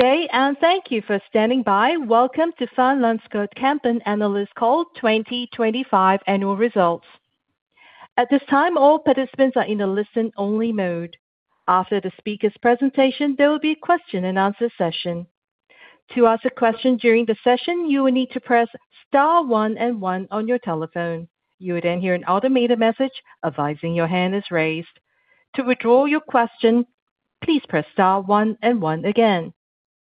Today, thank you for standing by. Welcome to Van Lanschot Kempen Analyst Call 2025 Annual Results. At this time, all participants are in a listen-only mode. After the speaker's presentation, there will be a question and answer session. To ask a question during the session, you will need to press star one and one on your telephone. You will then hear an automated message advising your hand is raised. To withdraw your question, please press star one and one again.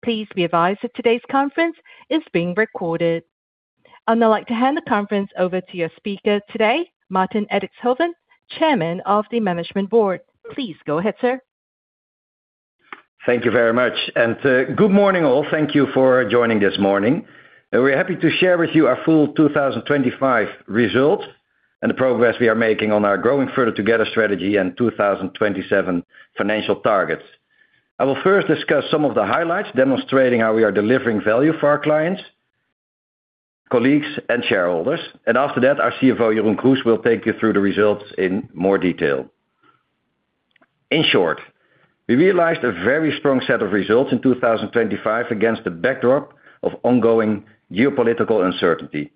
Please be advised that today's conference is being recorded. I'd now like to hand the conference over to your speaker today, Maarten Edixhoven, Chairman of the Management Board. Please go ahead, sir. Thank you very much. Good morning, all. Thank you for joining this morning. We're happy to share with you our full 2025 results and the progress we are making on our Growing Further Together strategy and 2027 financial targets. I will first discuss some of the highlights, demonstrating how we are delivering value for our clients, colleagues, and shareholders. After that, our CFO, Jeroen Kroes, will take you through the results in more detail. In short, we realized a very strong set of results in 2025 against the backdrop of ongoing geopolitical uncertainty.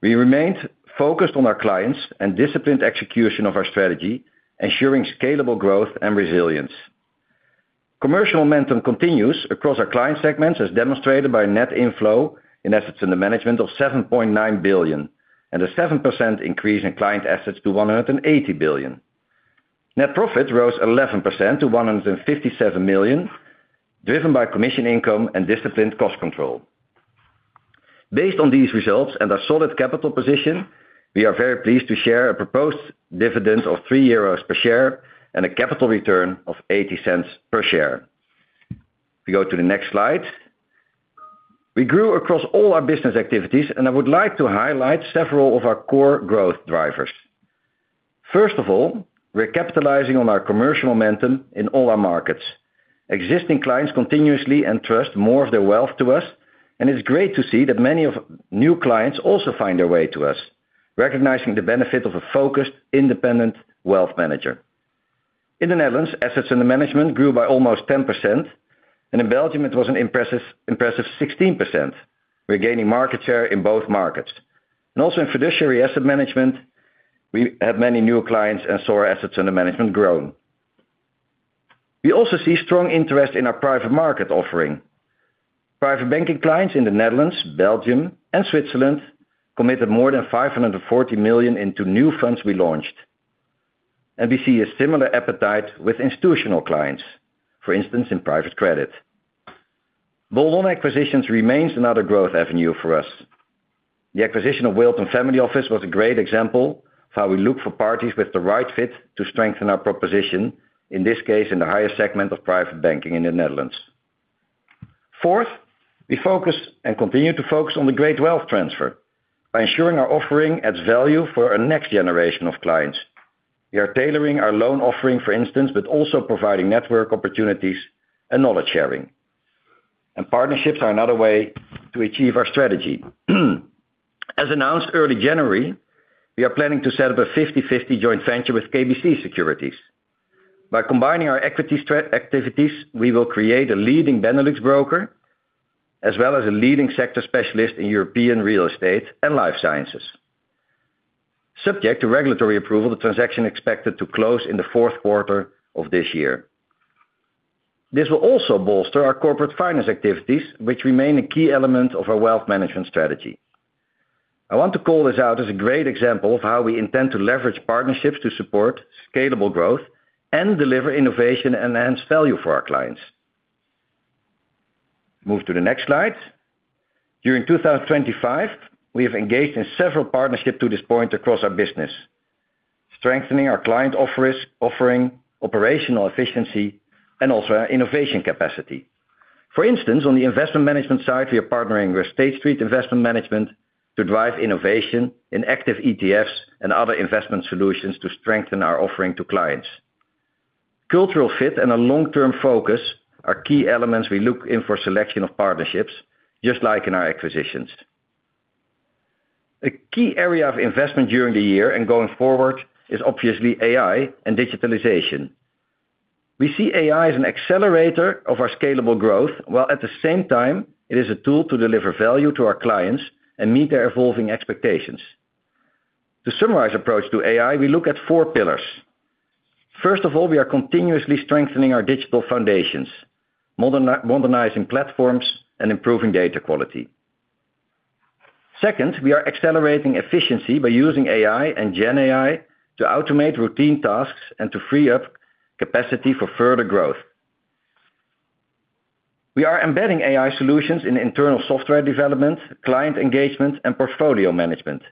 We remained focused on our clients and disciplined execution of our strategy, ensuring scalable growth and resilience. Commercial momentum continues across our client segments, as demonstrated by net inflow in assets under management of 7.9 billion and a 7% increase in client assets to 180 billion. Net profit rose 11% to 157 million, driven by commission income and disciplined cost control. Based on these results and our solid capital position, we are very pleased to share a proposed dividend of 3 euros per share and a capital return of 0.80 per share. If we go to the next slide. We grew across all our business activities. I would like to highlight several of our core growth drivers. First of all, we're capitalizing on our commercial momentum in all our markets. Existing clients continuously entrust more of their wealth to us, it's great to see that many of new clients also find their way to us, recognizing the benefit of a focused, independent wealth manager. In the Netherlands, assets under management grew by almost 10%, in Belgium, it was an impressive 16%. We're gaining market share in both markets. Also in fiduciary asset management, we have many new clients and saw our assets under management grown. We also see strong interest in our private market offering. Private banking clients in the Netherlands, Belgium, and Switzerland committed more than 540 million into new funds we launched, and we see a similar appetite with institutional clients, for instance, in private credit. Bolt-on acquisitions remains another growth avenue for us. The acquisition of Wilton Family Office was a great example of how we look for parties with the right fit to strengthen our proposition, in this case, in the highest segment of private banking in the Netherlands. Fourth, we focus and continue to focus on the great wealth transfer by ensuring our offering adds value for our next generation of clients. We are tailoring our loan offering, for instance, but also providing network opportunities and knowledge sharing. Partnerships are another way to achieve our strategy. As announced early January, we are planning to set up a 50/50 joint venture with KBC Securities. By combining our equities activities, we will create a leading Benelux broker, as well as a leading sector specialist in European real estate and life sciences. Subject to regulatory approval, the transaction expected to close in the fourth quarter of this year. This will also bolster our corporate finance activities, which remain a key element of our wealth management strategy. I want to call this out as a great example of how we intend to leverage partnerships to support scalable growth and deliver innovation and enhance value for our clients. Move to the next slide. During 2025, we have engaged in several partnerships to this point across our business, strengthening our client offering, operational efficiency, and also our innovation capacity. For instance, on the investment management side, we are partnering with State Street Investment Management to drive innovation in active ETFs and other investment solutions to strengthen our offering to clients. Cultural fit and a long-term focus are key elements we look in for selection of partnerships, just like in our acquisitions. A key area of investment during the year and going forward is obviously AI and digitalization. We see AI as an accelerator of our scalable growth, while at the same time, it is a tool to deliver value to our clients and meet their evolving expectations. To summarize approach to AI, we look at four pillars. First of all, we are continuously strengthening our digital foundations, modernizing platforms and improving data quality. Second, we are accelerating efficiency by using AI and GenAI to automate routine tasks and to free up capacity for further growth. We are embedding AI solutions in internal software development, client engagement, and portfolio management,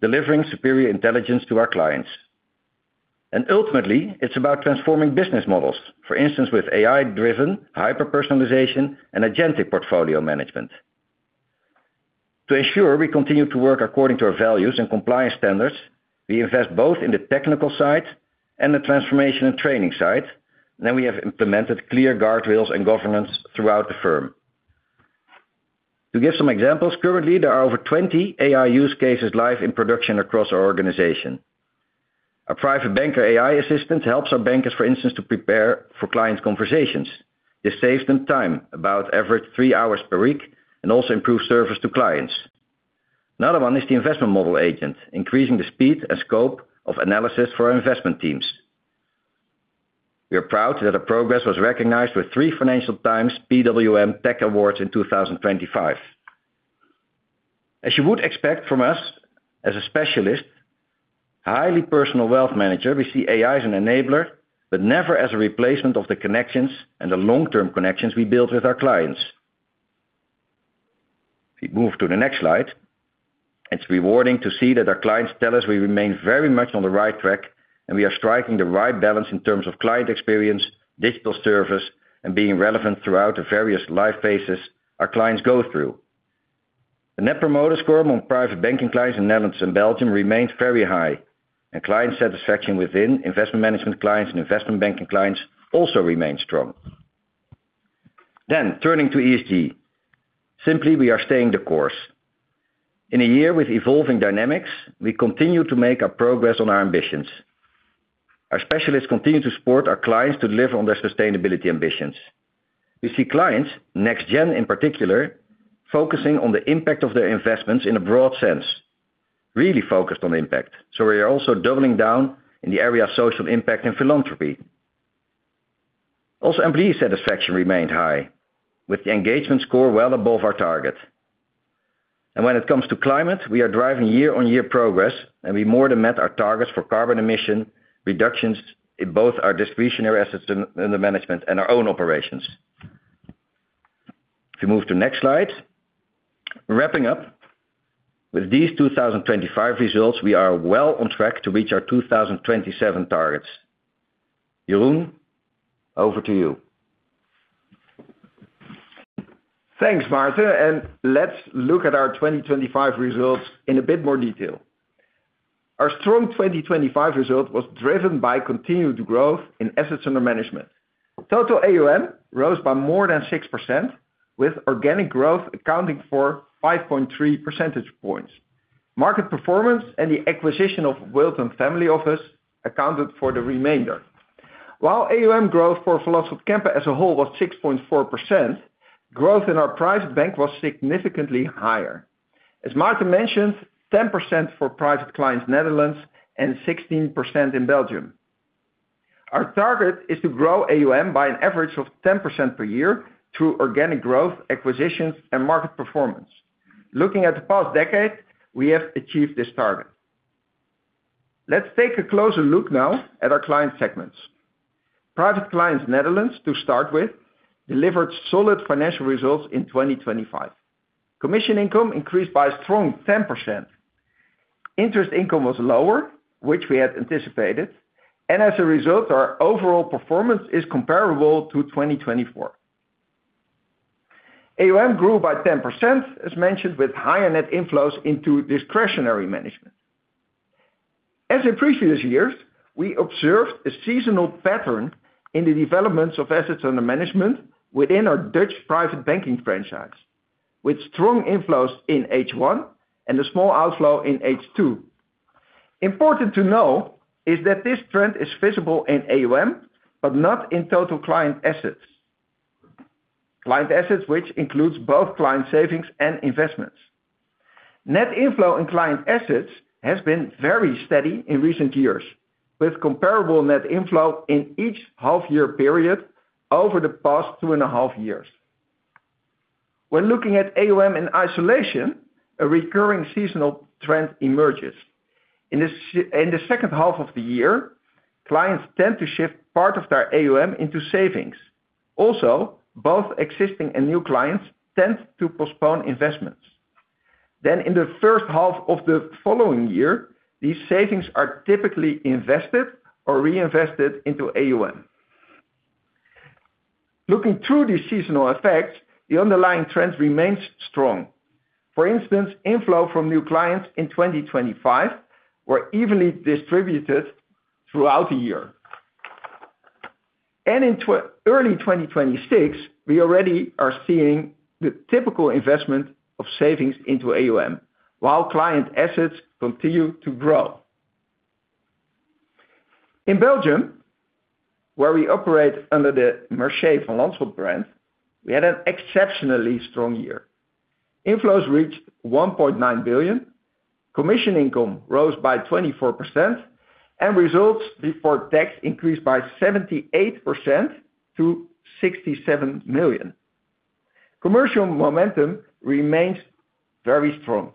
delivering superior intelligence to our clients. Ultimately, it's about transforming business models, for instance, with AI-driven, hyper-personalization, and agentic portfolio management. To ensure we continue to work according to our values and compliance standards, we invest both in the technical side and the transformation and training side, then we have implemented clear guardrails and governance throughout the firm. To give some examples, currently, there are over 20 AI use cases live in production across our organization. Our private banker AI assistant helps our bankers, for instance, to prepare for client conversations. This saves them time, about average 3 hours per week, and also improves service to clients. Another one is the investment model agent, increasing the speed and scope of analysis for our investment teams. We are proud that our progress was recognized with 3 Financial Times PWM Tech Awards in 2025. As you would expect from us, as a specialist, highly personal wealth manager, we see AI as an enabler, but never as a replacement of the connections and the long-term connections we build with our clients. If we move to the next slide, it's rewarding to see that our clients tell us we remain very much on the right track, and we are striking the right balance in terms of client experience, digital service, and being relevant throughout the various life phases our clients go through. The Net Promoter Score among private banking clients in Netherlands and Belgium remains very high, and client satisfaction within investment management clients and investment banking clients also remains strong. Turning to ESG. Simply, we are staying the course. In a year with evolving dynamics, we continue to make our progress on our ambitions. Our specialists continue to support our clients to deliver on their sustainability ambitions. We see clients, next gen in particular, focusing on the impact of their investments in a broad sense, really focused on impact. We are also doubling down in the area of social impact and philanthropy. Also, employee satisfaction remained high, with the engagement score well above our target. When it comes to climate, we are driving year-on-year progress, and we more than met our targets for carbon emission reductions in both our discretionary assets under management and our own operations. If you move to next slide. Wrapping up, with these 2025 results, we are well on track to reach our 2027 targets. Jeroen, over to you. Thanks, Maarten. Let's look at our 2025 results in a bit more detail. Our strong 2025 result was driven by continued growth in assets under management. Total AUM rose by more than 6%, with organic growth accounting for 5.3 percentage points. Market performance and the acquisition of wealth and family office accounted for the remainder. While AUM growth for Van Lanschot Kempen as a whole was 6.4%, growth in our private bank was significantly higher. As Maarten mentioned, 10% for private clients, Netherlands, and 16% in Belgium. Our target is to grow AUM by an average of 10% per year through organic growth, acquisitions, and market performance. Looking at the past decade, we have achieved this target. Let's take a closer look now at our client segments. Private clients, Netherlands, to start with, delivered solid financial results in 2025. Commission income increased by a strong 10%. Interest income was lower, which we had anticipated. As a result, our overall performance is comparable to 2024. AUM grew by 10%, as mentioned, with higher net inflows into discretionary management. As in previous years, we observed a seasonal pattern in the developments of assets under management within our Dutch private banking franchise, with strong inflows in H1 and a small outflow in H2. Important to know is that this trend is visible in AUM, not in total client assets. Client assets, which includes both client savings and investments. Net inflow and client assets has been very steady in recent years, with comparable net inflow in each half year period over the past 2 and a half years. When looking at AUM in isolation, a recurring seasonal trend emerges. In the second half of the year, clients tend to shift part of their AUM into savings. Both existing and new clients tend to postpone investments. In the first half of the following year, these savings are typically invested or reinvested into AUM. Looking through these seasonal effects, the underlying trend remains strong. For instance, inflow from new clients in 2025 were evenly distributed throughout the year. In early 2026, we already are seeing the typical investment of savings into AUM, while client assets continue to grow. In Belgium, where we operate under the Mercier Vanderliden, we had an exceptionally strong year. Inflows reached 1.9 billion, commission income rose by 24%, results before tax increased by 78% to 67 million. Commercial momentum remains very strong,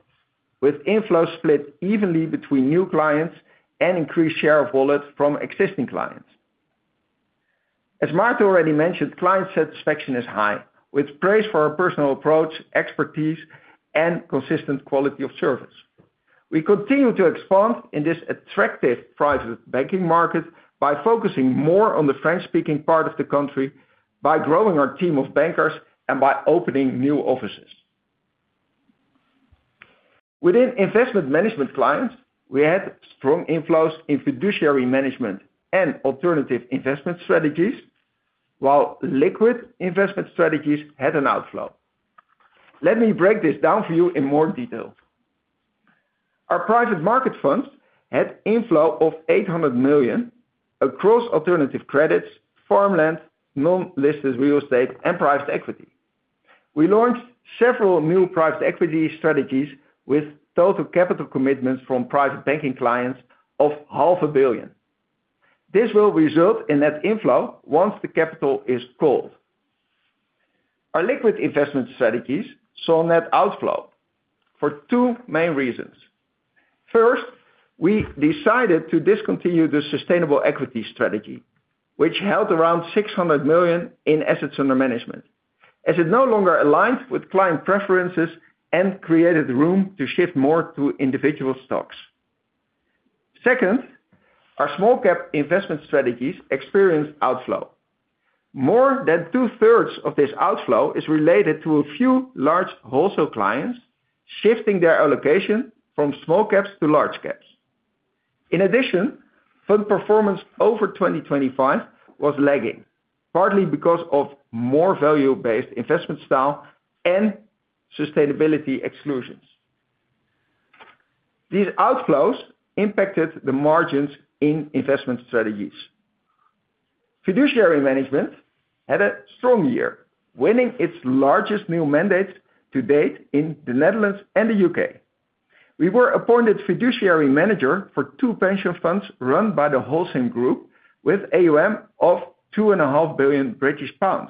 with inflows split evenly between new clients and increased share of wallet from existing clients. As Maarten already mentioned, client satisfaction is high, with praise for our personal approach, expertise, and consistent quality of service. We continue to expand in this attractive private banking market by focusing more on the French-speaking part of the country, by growing our team of bankers, and by opening new offices. Within investment management clients, we had strong inflows in fiduciary management and alternative investment strategies, while liquid investment strategies had an outflow. Let me break this down for you in more detail. Our private market funds had inflow of 800 million across alternative credits, farmland, non-listed real estate, and private equity. We launched several new private equity strategies with total capital commitments from private banking clients of half a billion. This will result in net inflow once the capital is called. Our liquid investment strategies saw net outflow for two main reasons. First, we decided to discontinue the sustainable equity strategy, which held around 600 million in assets under management, as it no longer aligns with client preferences and created room to shift more to individual stocks. Second, our small cap investment strategies experienced outflow. More than 2/3 of this outflow is related to a few large wholesale clients shifting their allocation from small caps to large caps. In addition, fund performance over 2025 was lagging, partly because of more value-based investment style and sustainability exclusions. These outflows impacted the margins in investment strategies. Fiduciary management had a strong year, winning its largest new mandate to date in the Netherlands and the U.K. We were appointed fiduciary manager for two pension funds run by the B&CE Group, with AUM of 2.5 billion British pounds.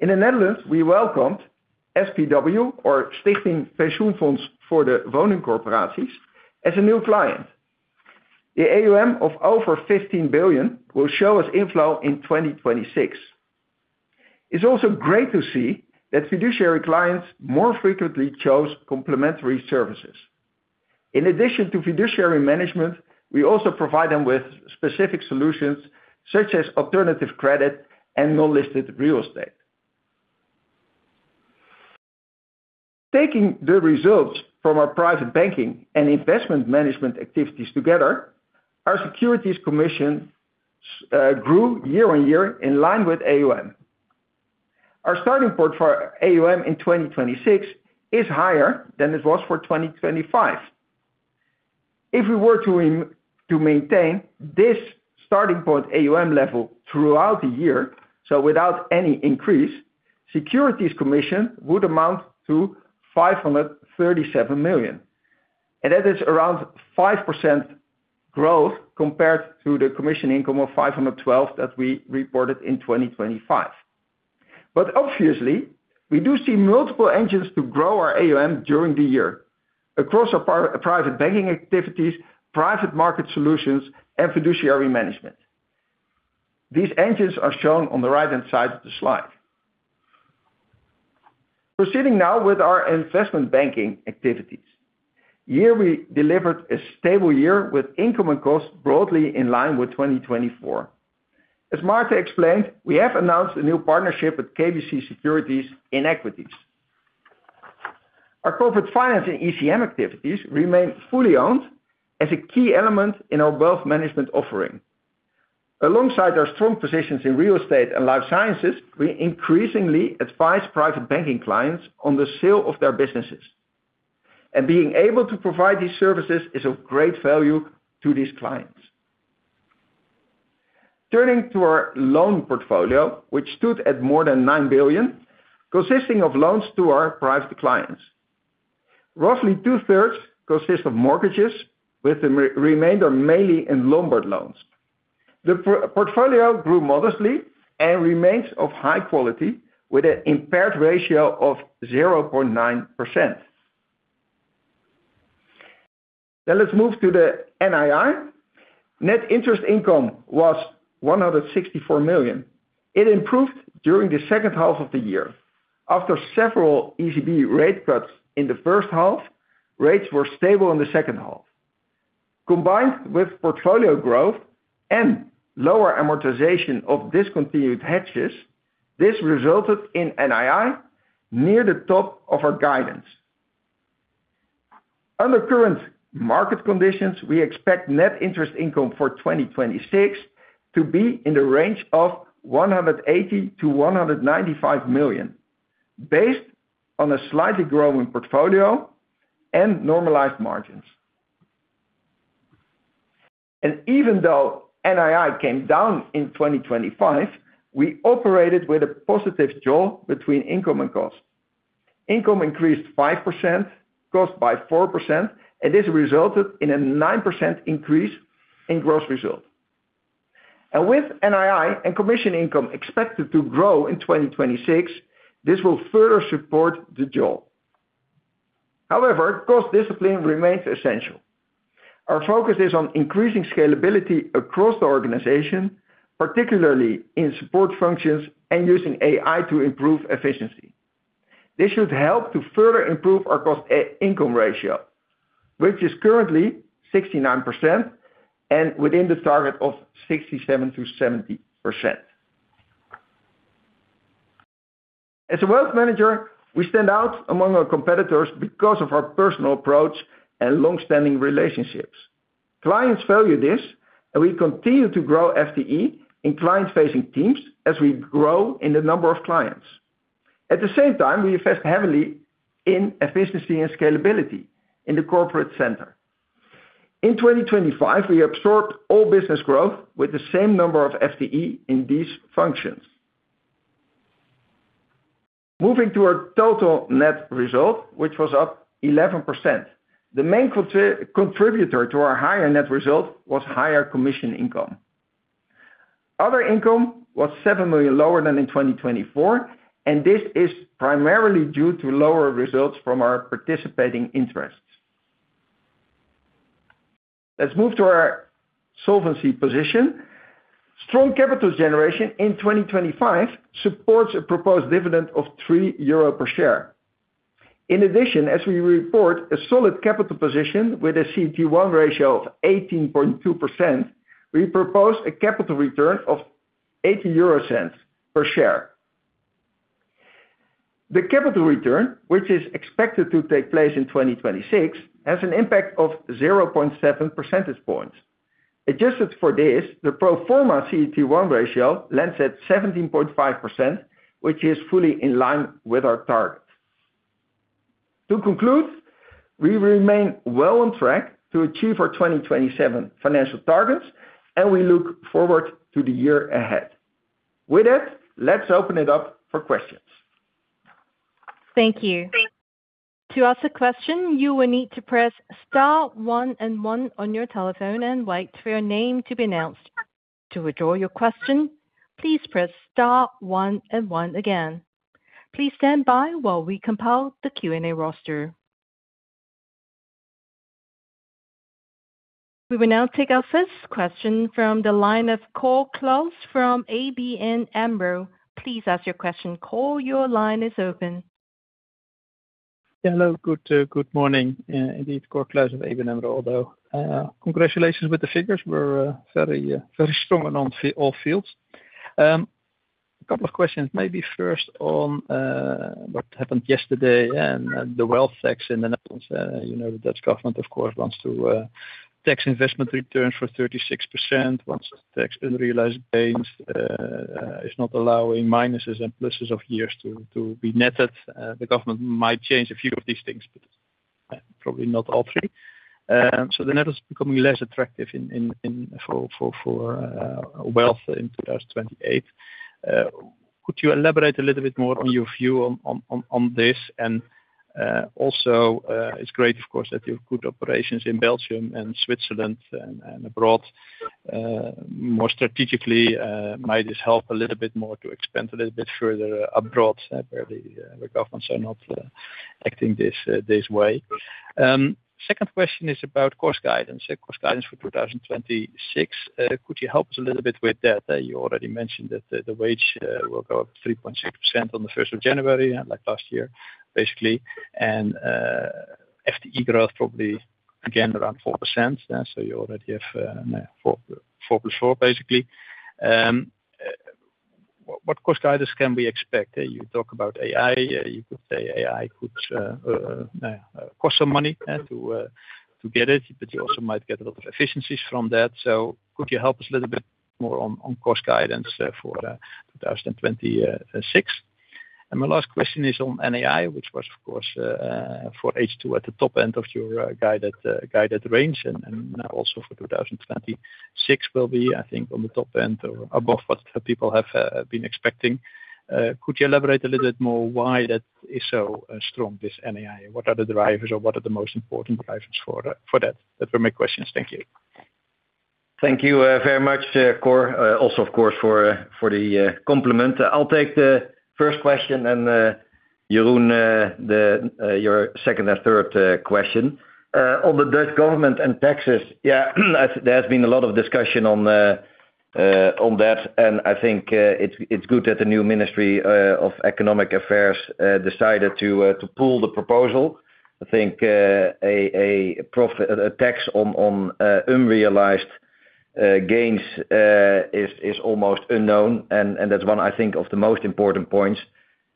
In the Netherlands, we welcomed SPW or Stichting Pensioenfonds voor de Woningcorporaties as a new client. The AUM of over 15 billion will show us inflow in 2026. It's also great to see that fiduciary clients more frequently chose complementary services. In addition to fiduciary management, we also provide them with specific solutions such as alternative credit and non-listed real estate. Taking the results from our private banking and investment management activities together, our securities commission grew year-on-year in line with AUM. Our starting port for AUM in 2026 is higher than it was for 2025. If we were to maintain this starting point AUM level throughout the year, so without any increase, securities commission would amount to 537 million. That is around 5% growth compared to the commission income of 512 that we reported in 2025. Obviously, we do see multiple engines to grow our AUM during the year across our private banking activities, private market solutions, and fiduciary management. These engines are shown on the right-hand side of the slide. Proceeding now with our investment banking activities. Here, we delivered a stable year with income and costs broadly in line with 2024. As Maarten explained, we have announced a new partnership with KBC Securities in equities. Our corporate finance and ECM activities remain fully owned as a key element in our wealth management offering. Alongside our strong positions in real estate and life sciences, we increasingly advise private banking clients on the sale of their businesses, and being able to provide these services is of great value to these clients. Turning to our loan portfolio, which stood at more than 9 billion, consisting of loans to our private clients. Roughly 2/3 consist of mortgages, with the remainder mainly in Lombard loans. The portfolio grew modestly and remains of high quality, with an impaired ratio of 0.9%. Let's move to the NII. Net interest income was 164 million. It improved during the second half of the year. After several ECB rate cuts in the first half, rates were stable in the second half. Combined with portfolio growth and lower amortization of discontinued hedges, this resulted in NII near the top of our guidance. Under current market conditions, we expect Net interest income for 2026 to be in the range of 180 million-195 million, based on a slightly growing portfolio and normalized margins. Even though NII came down in 2025, we operated with a positive jaw between income and cost. Income increased 5%, cost by 4%, and this resulted in a 9% increase in gross result. With NII and commission income expected to grow in 2026, this will further support the jaw. However, cost discipline remains essential. Our focus is on increasing scalability across the organization, particularly in support functions and using AI to improve efficiency. This should help to further improve our cost income ratio, which is currently 69% and within the target of 67%-70%. Clients value this. We continue to grow FTE in client-facing teams as we grow in the number of clients. At the same time, we invest heavily in efficiency and scalability in the corporate center. In 2025, we absorbed all business growth with the same number of FTE in these functions. Moving to our total net result, which was up 11%. The main contributor to our higher net result was higher commission income. Other income was 7 million lower than in 2024, and this is primarily due to lower results from our participating interests. Let's move to our solvency position. Strong capital generation in 2025 supports a proposed dividend of 3 euro per share. As we report a solid capital position with a CET1 ratio of 18.2%, we propose a capital return of 0.80 per share. The capital return, which is expected to take place in 2026, has an impact of 0.7 percentage points. Adjusted for this, the pro forma CET1 ratio lands at 17.5%, which is fully in line with our target. To conclude, we remain well on track to achieve our 2027 financial targets, and we look forward to the year ahead. With that, let's open it up for questions. Thank you. To ask a question, you will need to press star one and one on your telephone and wait for your name to be announced. To withdraw your question, please press star one and one again. Please stand by while we compile the Q&A roster. We will now take our first question from the line of Cor Kluis from ABN-AMRO. Please ask your question. Cor, your line is open. Hello, good morning. Indeed, Cor Kluis of ABN-AMRO. Although, congratulations with the figures, were very, very strong on all fields. A couple of questions, maybe first on what happened yesterday and the wealth tax in the Netherlands. You know, the Dutch government, of course, wants to tax investment returns for 36%, wants to tax unrealized gains, is not allowing minuses and pluses of years to be netted. The government might change a few of these things, but probably not all three. The Netherlands is becoming less attractive for wealth in 2028. Could you elaborate a little bit more on your view on this? Also, it's great, of course, that you have good operations in Belgium and Switzerland and abroad. More strategically, might this help a little bit more to expand a little bit further abroad, where the governments are not acting this way? Second question is about cost guidance, cost guidance for 2026. Could you help us a little bit with that? You already mentioned that the wage will go up 3.6% on the 1st of January, like last year, basically, and FTE growth probably again, around 4%. You already have four plus four, basically. What cost guidance can we expect? You talk about AI. You could say AI could cost some money to get it, but you also might get a lot of efficiencies from that. Could you help us a little bit more on cost guidance for 2026? My last question is on NII, which was, of course, for H2 at the top end of your guided range, and now also for 2026 will be, I think, on the top end or above what people have been expecting. Could you elaborate a little bit more why that is so strong, this NII? What are the drivers or what are the most important drivers for that? That were my questions. Thank you. Thank you very much, Cor, also, of course, for the compliment. I'll take the first question, and Jeroen, the your second and third question. On the Dutch government and taxes, yeah, there has been a lot of discussion on that, and I think it's good that the new Ministry of Economic Affairs decided to pull the proposal. I think a profit, a tax on unrealized gains is almost unknown, and that's one, I think, of the most important points.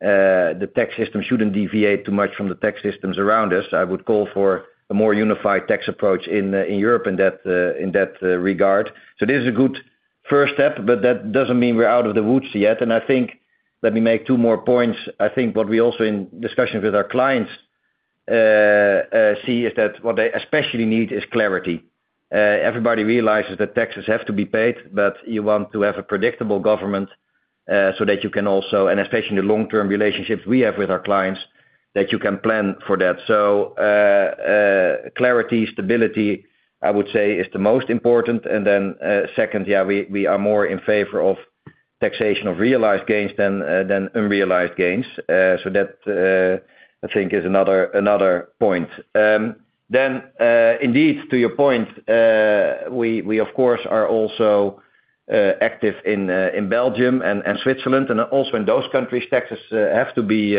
The tax system shouldn't deviate too much from the tax systems around us. I would call for a more unified tax approach in Europe in that regard. This is a good first step, but that doesn't mean we're out of the woods yet. I think, let me make two more points. I think what we also, in discussions with our clients, see, is that what they especially need is clarity. Everybody realizes that taxes have to be paid, but you want to have a predictable government, so that you can also and especially in the long-term relationships we have with our clients, that you can plan for that. Clarity, stability, I would say, is the most important. Second, we are more in favor of taxation of realized gains than unrealized gains. So that, I think is another point. Indeed, to your point, we, of course, are also active in Belgium and Switzerland, and also in those countries, taxes have to be.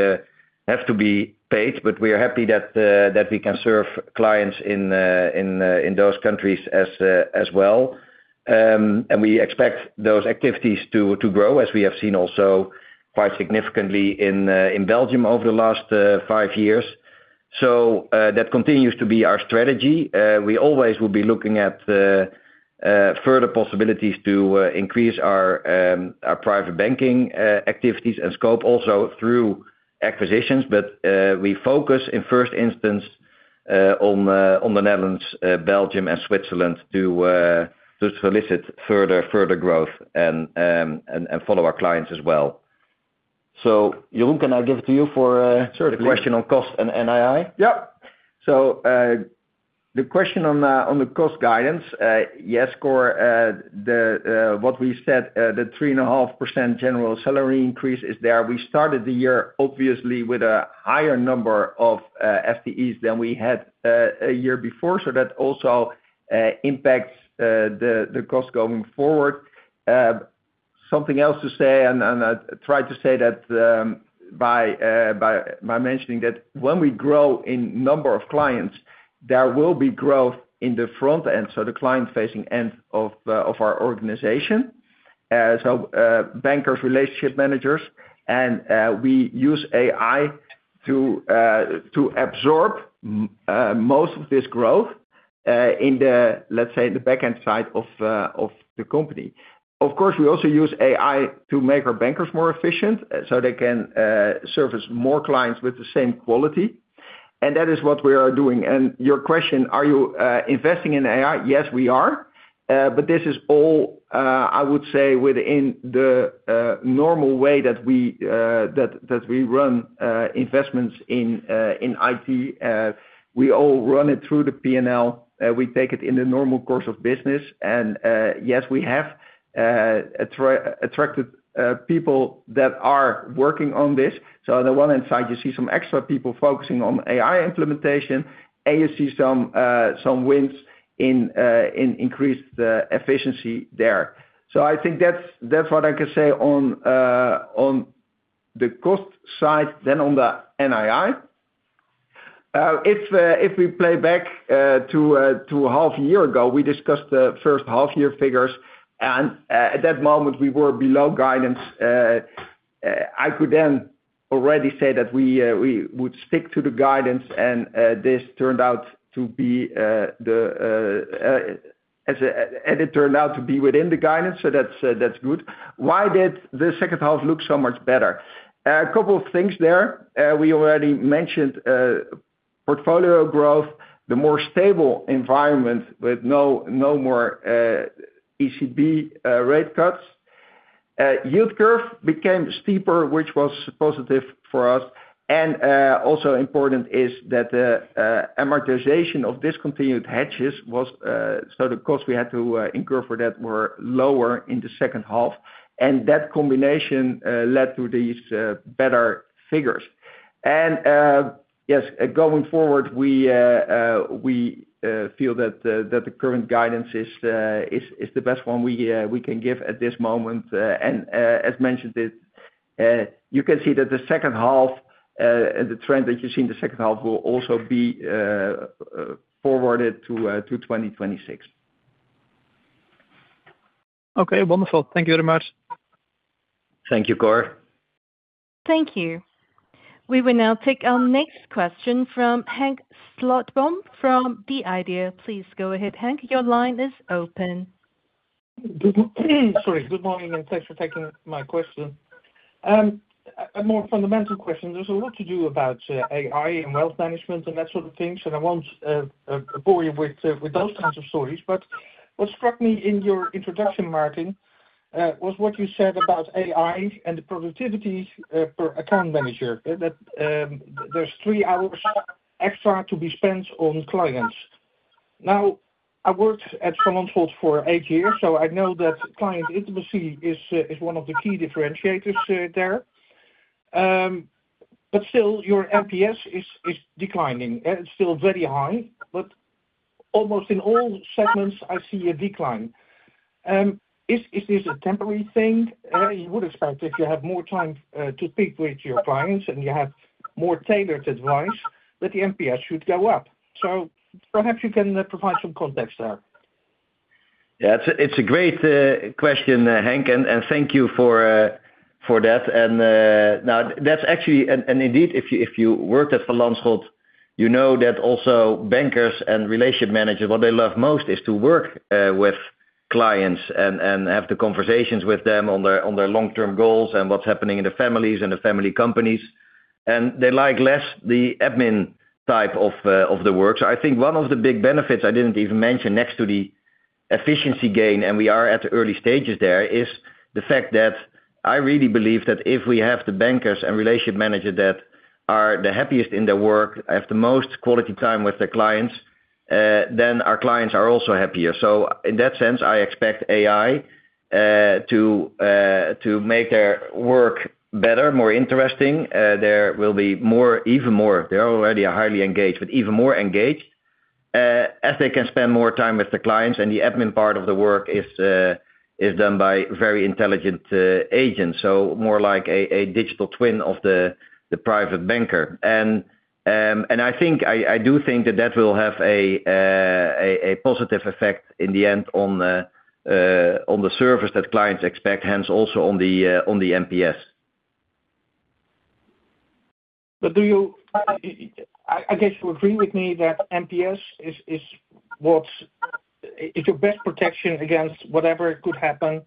have to be paid, but we are happy that we can serve clients in those countries as well. We expect those activities to grow, as we have seen also quite significantly in Belgium over the last five years. That continues to be our strategy. We always will be looking at the further possibilities to increase our private banking activities and scope also through acquisitions. We focus in first instance, on the Netherlands, Belgium and Switzerland to solicit further growth and follow our clients as well. Jeroen, can I give it to you for. Sure thing. the question on cost and NII? Yep. The question on the cost guidance, yes, Cor, the what we said, the 3.5% general salary increase is there. We started the year, obviously, with a higher number of FTEs than we had a year before, so that also impacts the cost going forward. Something else to say, and I tried to say that by mentioning that when we grow in number of clients, there will be growth in the front end, so the client-facing end of our organization. Bankers, relationship managers, and we use AI to absorb most of this growth in the, let's say, in the back-end side of the company. Of course, we also use AI to make our bankers more efficient, so they can service more clients with the same quality, and that is what we are doing. Your question, are you investing in AI? Yes, we are. This is all, I would say, within the normal way that we that we run investments in IT. We all run it through the P&L. We take it in the normal course of business, and yes, we have attracted people that are working on this. On the one hand side, you see some extra people focusing on AI implementation, and you see some some wins in increased efficiency there. I think that's what I can say on the cost side. On the NII. If, if we play back to a half-year ago, we discussed the first half-year figures. At that moment, we were below guidance. I could then already say that we would stick to the guidance. This turned out to be. It turned out to be within the guidance, so that's good. Why did the second half look so much better? A couple of things there. We already mentioned portfolio growth, the more stable environment with no more ECB rate cuts. Yield curve became steeper, which was positive for us. Also important is that the amortization of discontinued hedges was, so the costs we had to incur for that were lower in the second half, and that combination led to these better figures. Yes, going forward, we feel that the current guidance is the best one we can give at this moment. As mentioned, it, you can see that the second half, the trend that you see in the second half will also be forwarded to 2026. Okay, wonderful. Thank you very much. Thank you, Cor. Thank you. We will now take our next question from Henk Slotboom, from The Idea. Please go ahead, Henk. Your line is open. Sorry, good morning, and thanks for taking my question. A more fundamental question, there's a lot to do about AI and wealth management and that sort of things, and I won't bore you with those kinds of stories. What struck me in your introduction, Maarten, was what you said about AI and the productivity per account manager that there's three hours extra to be spent on clients. I worked at Van Lanschot for eight years, so I know that client intimacy is one of the key differentiators there. Still, your NPS is declining. It's still very high, but almost in all segments I see a decline. Is this a temporary thing? You would expect if you have more time to speak with your clients and you have more tailored advice, that the NPS should go up. Perhaps you can provide some context there. Yeah, it's a great question, Henk, and thank you for that. Now that's actually. Indeed, if you worked at Van Lanschot, you know that also bankers and relationship managers, what they love most is to work with clients and have the conversations with them on their long-term goals and what's happening in their families and their family companies, and they like less the admin type of the work. I think one of the big benefits I didn't even mention next to the efficiency gain, and we are at the early stages there, is the fact that I really believe that if we have the bankers and relationship managers that are the happiest in their work, have the most quality time with their clients, then our clients are also happier. In that sense, I expect AI to make their work better, more interesting. There will be more, even more, they're already highly engaged, but even more engaged. as they can spend more time with the clients, the admin part of the work is done by very intelligent agents. More like a digital twin of the private banker. I think, I do think that that will have a positive effect in the end on the service that clients expect, hence also on the NPS. I guess you agree with me that NPS is what's your best protection against whatever could happen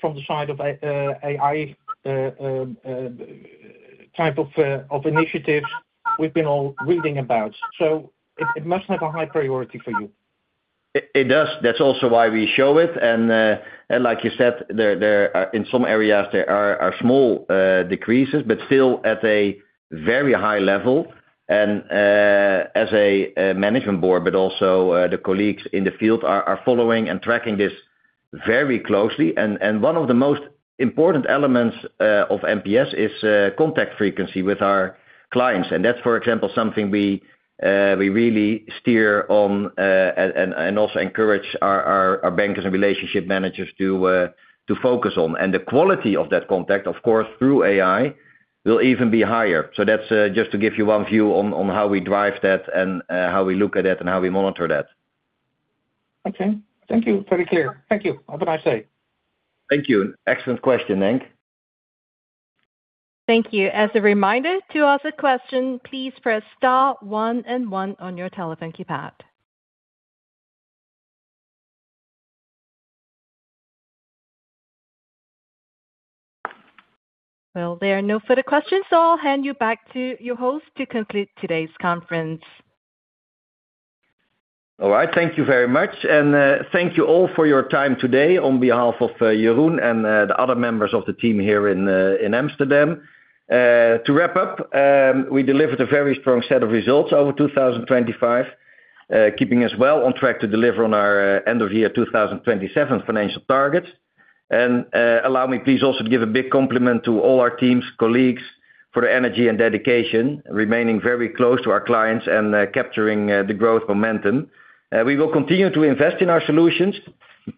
from the side of AI type of initiatives we've been all reading about. It must have a high priority for you. It does. That's also why we show it, and like you said, there are, in some areas there are small decreases, but still at a very high level. As a management board, but also the colleagues in the field are following and tracking this very closely. One of the most important elements of NPS is contact frequency with our clients. That's, for example, something we really steer on, and also encourage our bankers and relationship managers to focus on. The quality of that contact, of course, through AI, will even be higher. That's just to give you one view on how we drive that, and how we look at it and how we monitor that. Okay. Thank you. Very clear. Thank you. Have a nice day. Thank you. Excellent question, Hank. Thank you. As a reminder, to ask a question, please press star one and one on your telephone keypad. Well, there are no further questions, so I'll hand you back to your host to complete today's conference. All right. Thank you very much. Thank you all for your time today on behalf of Jeroen and the other members of the team here in Amsterdam. To wrap up, we delivered a very strong set of results over 2025, keeping us well on track to deliver on our end of year 2027 financial targets. Allow me, please, also to give a big compliment to all our teams, colleagues, for the energy and dedication, remaining very close to our clients and capturing the growth momentum. We will continue to invest in our solutions,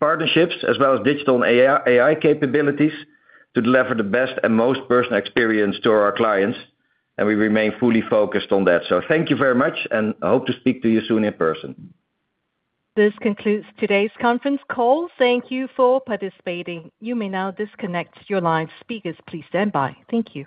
partnerships, as well as digital and AI capabilities, to deliver the best and most personal experience to our clients, we remain fully focused on that. Thank you very much, and I hope to speak to you soon in person. This concludes today's conference call. Thank you for participating. You may now disconnect your line. Speakers, please stand by. Thank you.